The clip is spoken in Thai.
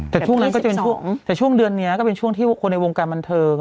แต่ช่วงนั้นก็จะเป็นช่วงแต่ช่วงเดือนนี้ก็เป็นช่วงที่คนในวงการบันเทิง